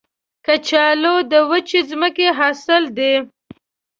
کچالو د وچې ځمکې حاصل دی